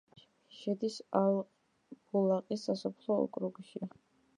შედის აყბულაყის სასოფლო ოკრუგში.